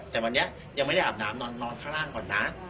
แต่วันนี้ยังไม่ได้อาบน้ำนอนข้างล่างก่อนนะ